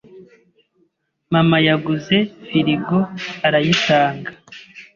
Mama yaguze firigo arayitanga.